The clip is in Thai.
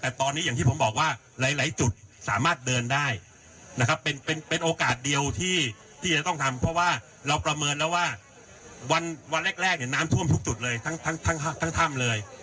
แต่ตอนนี้อย่างที่ผมบอกว่าหลายจุดสามารถเดินได้นะครับเป็นโอกาสเดียวที่จะต้องทำเพราะว่าเราประเมินแล้วว่าวันแรกเนี่ยน้ำท่วมทุกจุดเลยทั้งถ้ำเลย